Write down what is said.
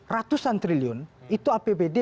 ratusan triliun itu apbd